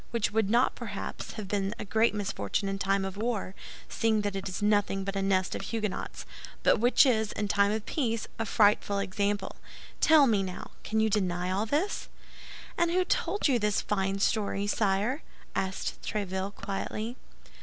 —which would not, perhaps, have been a great misfortune in time of war, seeing that it is nothing but a nest of Huguenots, but which is, in time of peace, a frightful example. Tell me, now, can you deny all this?" "And who told you this fine story, sire?" asked Tréville, quietly.